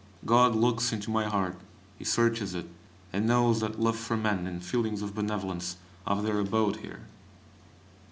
God looks into my heart, He searches it, and knows that love for man and feelings of benevolence have their abode there!